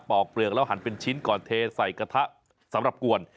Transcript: อกเปลือกแล้วหันเป็นชิ้นก่อนเทใส่กระทะสำหรับกวน